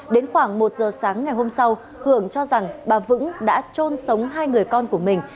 đến khoảng một giờ sáng ngày hôm sau hưởng cho rằng bà vững đã trôn sống hai người con của mình